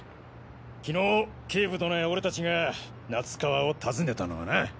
昨日警部殿や俺たちが夏川を訪ねたのはな。